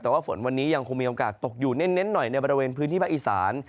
แต่ว่าฝนวันนี้ยังคงมีโอกาสตกอยู่เน้นหน่อยในบริเวณพื้นที่ภาคอีสาน